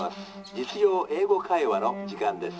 『実用英語会話』の時間です。